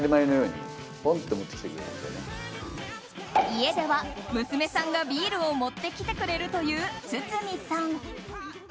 家では娘さんがビールを持ってきてくれるという堤さん。